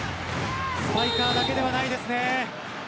スパイカーだけではないですね。